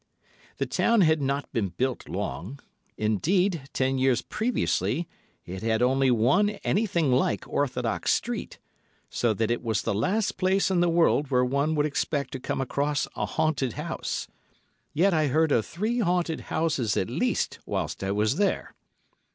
The town had not been built long. Indeed, ten years previously it had only one anything like orthodox street; so that it was the last place in the world where one would expect to come across a haunted house. Yet I heard of three haunted houses at least whilst I was there.